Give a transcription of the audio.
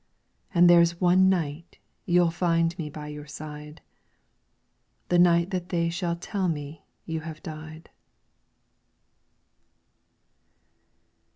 And there's one night you '11 find me by your side. The night that they shall tell me you have died.